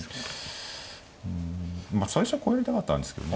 うんまあ最初はこれやりたかったんですけどね。